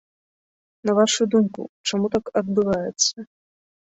На вашую думку, чаму так адбываецца?